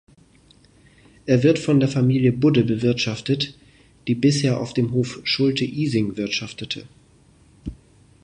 Er wird von der Familie Budde bewirtschaftet, die bisher auf dem Hof Schulte-Ising wirtschaftete.